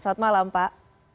selamat malam pak